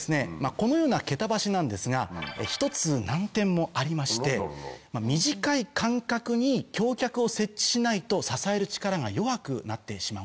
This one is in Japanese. このような桁橋なんですが一つ難点もありまして短い間隔に橋脚を設置しないと支える力が弱くなってしまうんですね。